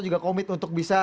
juga komit untuk bisa